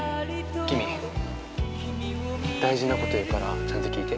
キミ大事なこと言うからちゃんと聞いて。